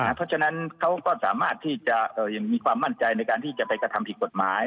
เพราะฉะนั้นเขาก็สามารถที่จะมีความมั่นใจในการที่จะไปกระทำผิดกฎหมาย